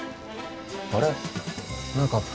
あれ？